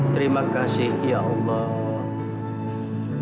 terima kasih ya allah